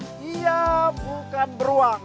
mas dia bukan beruang